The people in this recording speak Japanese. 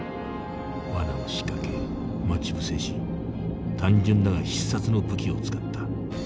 罠を仕掛け待ち伏せし単純だが必殺の武器を使った。